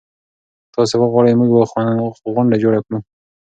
که تاسي وغواړئ موږ به غونډه جوړه کړو.